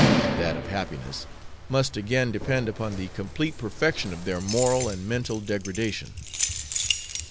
e. that of happiness must again depend upon the complete perfection of their moral and mental degradation.